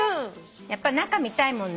やっぱ中見たいもんね。